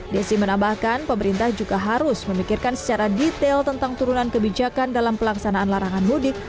desi menambahkan pemerintah juga harus memikirkan secara detail tentang turunan kebijakan dalam pelaksanaan larangan mudik